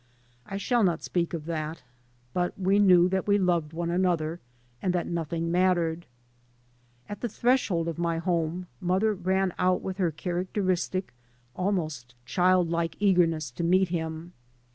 I shall not speak of that. But we knew that we loved one another, and that nothing mattered. At the threshold of my home mother ran out with her characteristic almost childlike eagerness to meet him.